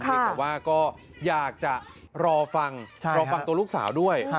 แต่ว่าก็อยากจะรอฟังรอฟังตัวลูกสาวด้วย